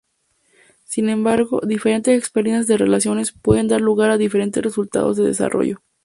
Sin embargo, diferentes experiencias de relaciones pueden dar lugar a diferentes resultados de desarrollo.